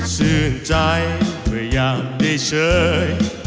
สื่นใจพยายามได้เชิญ